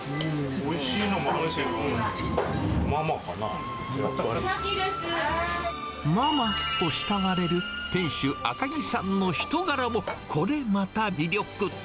おいしいのもあるけど、ママと慕われる店主、赤木さんの人柄も、これまた魅力。